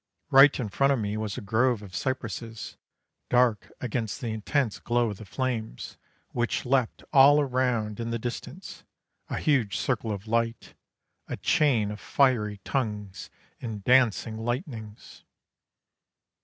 Right in front of me was a grove of cypresses, dark against the intense glow of the flames, which leapt all round in the distance: a huge circle of light, a chain of fiery tongues and dancing lightnings.